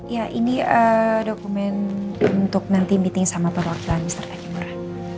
ya ini dokumen untuk nanti meeting sama perwakilan